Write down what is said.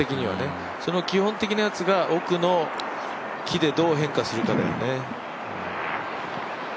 その基本的なやつが、奥の木でどう変化するかだよね。